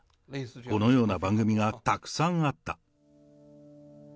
このような番組がたくさんあった。